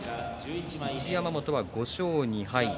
一山本は５勝２敗。